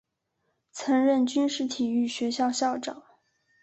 曾任军事体育学校校长。